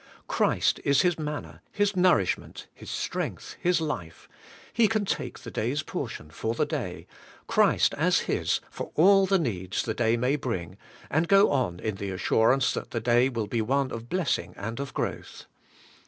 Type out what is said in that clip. Christ is his manna, his nourishment, his strength, his life: he can take the day's portion for the day, Christ as his for all the needs the day may bring, and go on in the as DAY BY DAY. 113 surance that the day will be one of blessing and of growth.